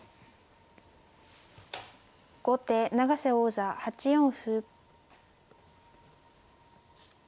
後手永瀬王座８四歩。